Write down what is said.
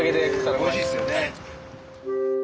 おいしいですよね。